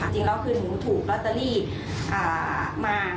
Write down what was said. จริงแล้วคือหนูถูกลอตเตอรี่มา